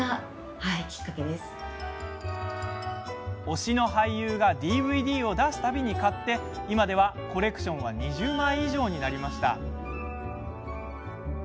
推しの俳優がＤＶＤを出す度に買って今ではコレクションは２０枚以上になりました。